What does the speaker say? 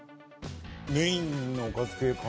メインのおかず系かな？